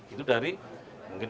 itu dari mungkin